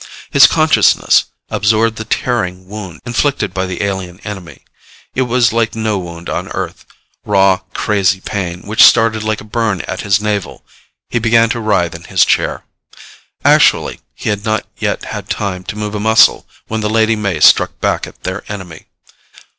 His consciousness absorbed the tearing wound inflicted by the alien enemy. It was like no wound on Earth raw, crazy pain which started like a burn at his navel. He began to writhe in his chair. Actually he had not yet had time to move a muscle when the Lady May struck back at their enemy.